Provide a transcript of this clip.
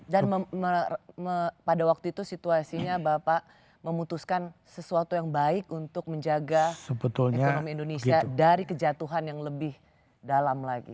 dan pada waktu itu situasinya bapak memutuskan sesuatu yang baik untuk menjaga ekonomi indonesia dari kejatuhan yang lebih dalam lagi